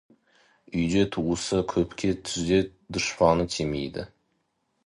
Үйде туысы көпке түзде дұшпаны тимейді.